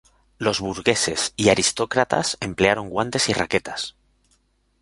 Los burgueses y aristócratas emplearon guantes y raquetas.